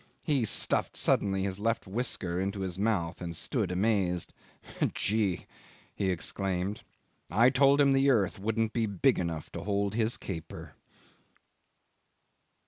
He stuffed suddenly his left whisker into his mouth and stood amazed. "Jee!" he exclaimed, "I told him the earth wouldn't be big enough to hold his caper."